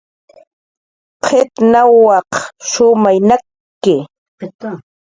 Qit nawaq shumay nakki